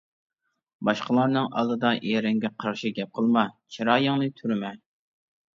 باشقىلارنىڭ ئالدىدا ئېرىڭگە قارشى گەپ قىلما، چىرايىڭنى تۈرمە.